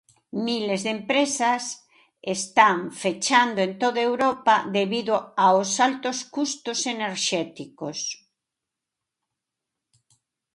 Miles de empresas están fechando en toda Europa debido aos altos custos enerxéticos.